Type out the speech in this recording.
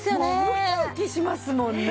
もうウキウキしますもんね。